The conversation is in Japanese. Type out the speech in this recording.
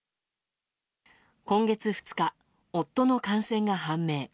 今月２日、夫の感染が判明。